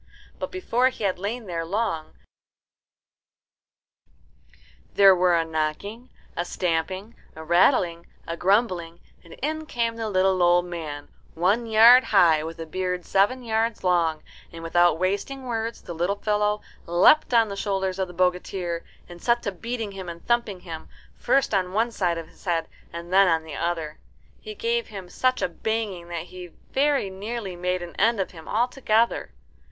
But before he had lain there long there were a knocking, a stamping, a rattling, a grumbling, and in came the little old man, one yard high, with a beard seven yards long, and without wasting words the little fellow leapt on the shoulders of the bogatir, and set to beating him and thumping him, first on one side of his head and then on the other. He gave him such a banging that he very nearly made an end of him altogether.